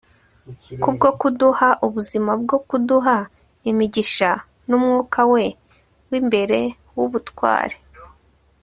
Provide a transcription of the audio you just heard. kubwo kuduha ubuzima bwo kuduha imigisha n'umwuka we w'imbere w'ubutwari